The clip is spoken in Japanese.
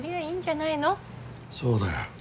そうだよ。